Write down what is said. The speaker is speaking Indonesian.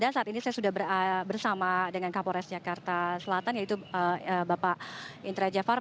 dan saat ini saya sudah bersama dengan kapolres jakarta selatan yaitu bapak intra jafar